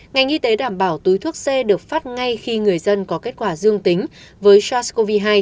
ngành y tế đảm bảo túi thuốc c được phát ngay khi người dân có kết quả dương tính với sars cov hai